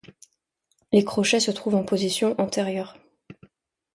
Les crochets se trouvent en position antérieure.